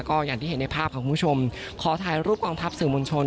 ก็อย่างที่เห็นในภาพค่ะคุณผู้ชมขอถ่ายรูปกองทัพสื่อมวลชน